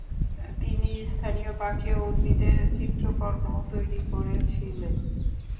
তিনি স্থানীয় পাখি এবং উদ্ভিদের চিত্রকর্মও তৈরি করেছিলেন।